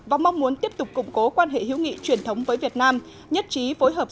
và mong muốn tiếp tục củng cố quan hệ hữu nghị truyền thống với việt nam nhất trí phối hợp